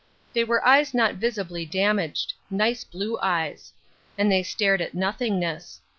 They were eyes not visibly damaged: nice blue eyes. And they stared at nothingness.